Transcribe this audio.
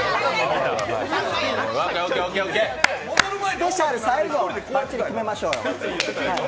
スペシャル、最後ばっちり決めましょうよ。